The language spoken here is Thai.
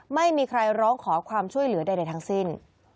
ไม่มีใครร้องขอความช่วยเหลือใดทั้งสิ้น